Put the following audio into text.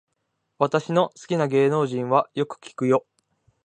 私の好きな芸能人はよく聞くよ